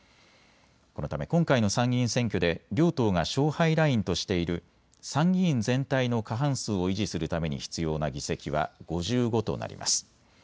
このため今回の参議院選挙で両党が勝敗ラインとしている参議院全体の過半数を維持するために必要な議席は５５となります。